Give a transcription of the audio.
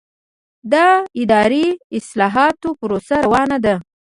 د اداري اصلاحاتو پروسه روانه ده؟